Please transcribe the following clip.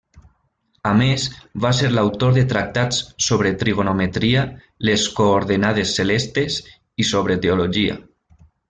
A més va ser l'autor de tractats sobre trigonometria, les coordenades celestes i sobre teologia.